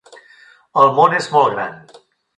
El món és molt gran.